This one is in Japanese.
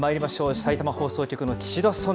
さいたま放送局の岸田さん。